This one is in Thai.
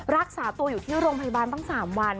รักษาตัวอยู่ที่โรงพยาบาลตั้ง๓วัน